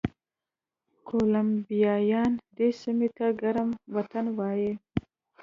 کولمبیایان دې سیمې ته ګرم وطن وایي.